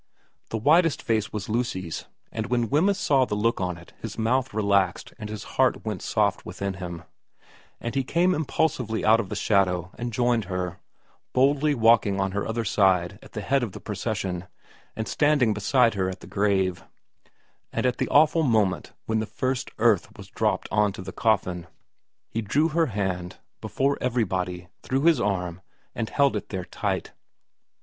The whitest face was Lucy's, and when Wemyss saw the look on it his mouth relaxed and his heart went soft within him, and he came impulsively out of the shadow and joined her, boldly walking on her other side at the head of the procession, and standing beside her at the grave ; and at the awful moment when the first earth was dropped on to the coffin he drew her hand, before everybody, through his arm and held it there tight.